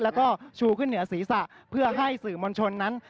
แล้วก็ชูขึ้นเหนือศีรษะเพื่อให้สื่อมวลชนนั้น